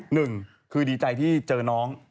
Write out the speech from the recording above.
หนึ่งคือดีใจที่เจอน้อง